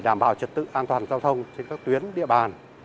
đảm bảo trật tự an toàn giao thông trên các tuyến địa bàn